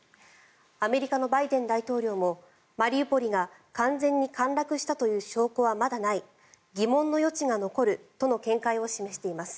アメリカのバイデン大統領もマリウポリが完全に陥落したという証拠はまだない疑問の余地が残るとの見解を示しています。